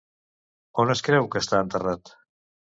On es creu que està enterrat?